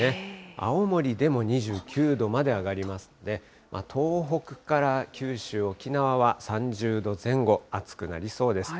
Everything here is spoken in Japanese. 青森でも２９度まで上がりますのでね、東北から九州、沖縄は３０度前後、暑くなりそうです。